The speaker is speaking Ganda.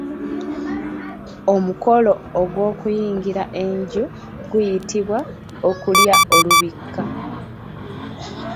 Omukolo ogw’okuyingira enju guyitibwa Okulya olubiika.